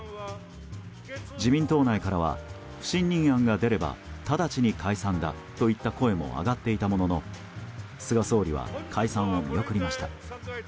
自民党内からは不信任案が出れば直ちに解散だといった声も上がっていたものの菅総理は解散を見送りました。